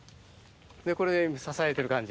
これで支えてる感じ。